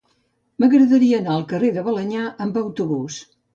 M'agradaria anar al carrer de Balenyà amb autobús.